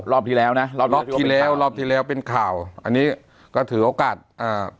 ที่แล้วนะรอบรอบที่แล้วรอบที่แล้วเป็นข่าวอันนี้ก็ถือโอกาสอ่า